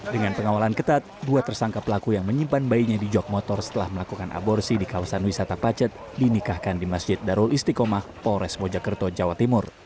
dengan pengawalan ketat dua tersangka pelaku yang menyimpan bayinya di jog motor setelah melakukan aborsi di kawasan wisata pacet dinikahkan di masjid darul istiqomah polres mojokerto jawa timur